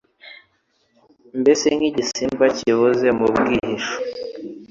mbese nk’igisimba kibunze mu bwihisho